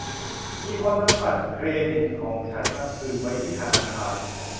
มีคนนำบัตรเครดิตของฉันมาคืนไว้ที่ธนาคาร